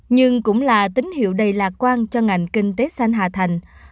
nhưng cũng là tín hiệu đầy lạc quan